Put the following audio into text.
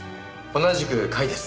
同じく甲斐です。